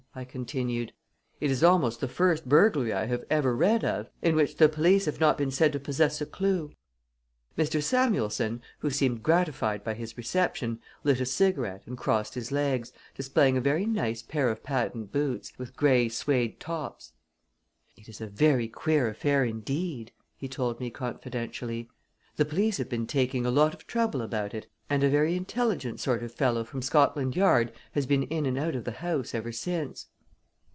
I continued. "It is almost the first burglary I have ever read of in which the police have not been said to possess a clew." Mr. Samuelson, who seemed gratified by his reception, lit a cigarette and crossed his legs, displaying a very nice pair of patent boots, with gray suède tops. "It is a very queer affair, indeed," he told me confidentially. "The police have been taking a lot of trouble about it, and a very intelligent sort of fellow from Scotland Yard has been in and out of the house ever since."